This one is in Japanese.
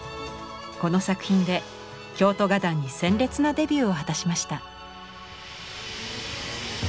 この作品で京都画壇に鮮烈なデビューを果たしました。